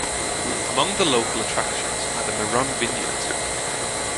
Among the local attractions are the Meron Vineyards.